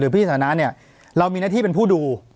ปากกับภาคภูมิ